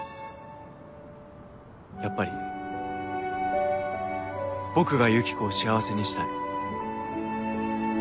やっぱり僕がユキコを幸せにしたい。